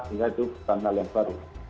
sehingga itu tanggal yang baru